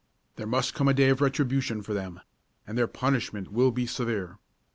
There must come a day of retribution for them, and their punishment will be severe.